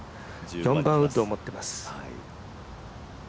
４番ウッドを持っています。